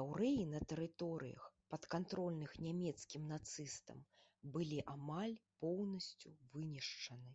Яўрэі на тэрыторыях, падкантрольных нямецкім нацыстам, былі амаль поўнасцю вынішчаны.